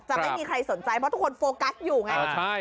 ไม่มีใครสนใจเพราะทุกคนโฟกัสอยู่ไง